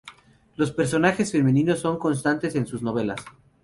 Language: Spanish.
Los personajes femeninos son constantes en sus novelas.